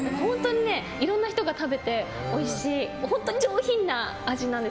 いろんな人が食べておいしい上品な味なんです。